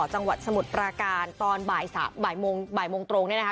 จังหวัดสมุทรปราการตอนบ่ายโมงบ่ายโมงตรงเนี่ยนะคะ